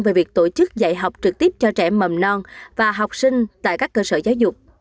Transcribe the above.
về việc tổ chức dạy học trực tiếp cho trẻ mầm non và học sinh tại các cơ sở giáo dục